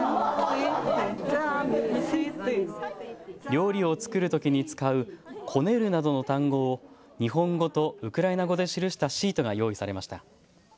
料理を作るときに使うこねるなどの単語を日本語とウクライナ語で記したシートが用意されました。